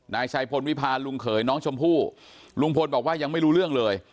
นายชัยพลวิพาลลุงเขยน้องชมพู่ลุงพลบอกว่ายังไม่รู้เรื่องเลย